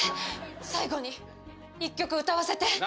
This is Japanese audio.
最後に１曲歌わせて。